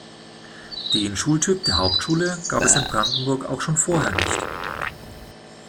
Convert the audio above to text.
Den Schultyp der Hauptschule gab es in Brandenburg auch schon vorher nicht.